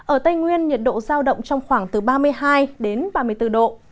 ở tây nguyên nhiệt độ giao động trong khoảng từ ba mươi hai đến ba mươi bốn độ